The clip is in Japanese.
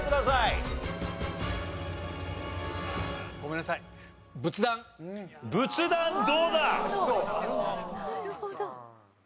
なるほど。